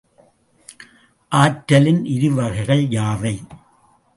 ஆற்றலின் இருவகைகள் யாவை?